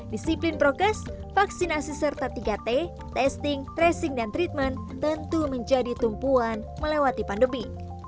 disiplin progres vaksinasi serta tiga t testing tracing dan treatment tentu menjadi tumpuan melewati pandemi